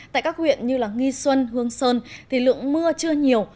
tại các huyện như nghi xuân hương sơn thì lượng mưa chưa nhiều